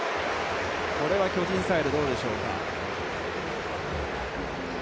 これ巨人サイドはどうでしょうか。